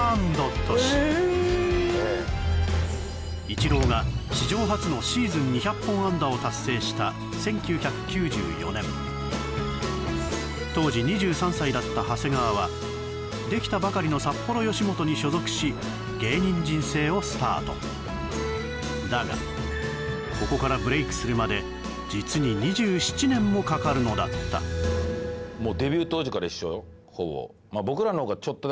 イチローが史上初のシーズン２００本安打を達成した１９９４年当時２３歳だった長谷川はできたばかりの札幌よしもとに所属し芸人人生をスタートだがここからブレイクするまで実に２７年もかかるのだったそうですね